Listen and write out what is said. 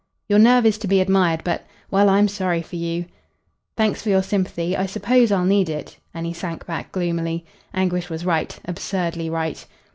"Your nerve is to be admired, but well, I'm sorry for you." "Thanks for your sympathy. I suppose I'll need it," and he sank back gloomily. Anguish was right absurdly right.